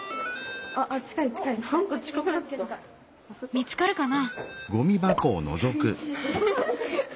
見つかるかな？